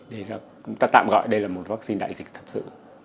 để chúng ta tạm gọi đây là một vaccine đại dịch thật sự